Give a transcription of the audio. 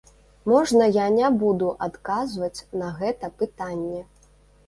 Можна я не буду адказваць на гэта пытанне?